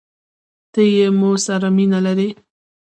ته يې مو سره مينه لرې؟